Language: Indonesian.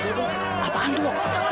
bapak apaan itu